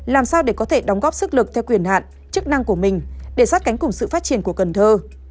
làm sao để có thể đóng góp sức lực theo quyền hạn chức năng của mình để sát cánh cùng sự phát triển của cần thơ